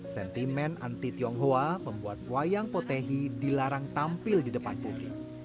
sentimen anti tionghoa membuat wayang potehi dilarang tampil di depan publik